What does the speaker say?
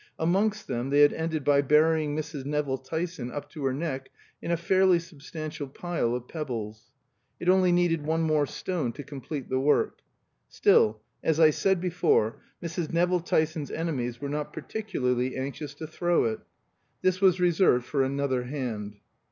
Amongst them they had ended by burying Mrs. Nevill Tyson up to her neck in a fairly substantial pile of pebbles. It only needed one more stone to complete the work. Still, as I said before, Mrs. Nevill Tyson's enemies were not particularly anxious to throw it. This was reserved for another hand.